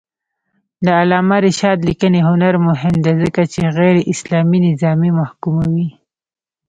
د علامه رشاد لیکنی هنر مهم دی ځکه چې غیراسلامي نظامونه محکوموي.